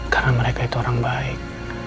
karena mereka itu orang baik